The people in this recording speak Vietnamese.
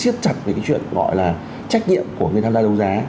siết chặt về cái chuyện gọi là trách nhiệm của người tham gia đấu giá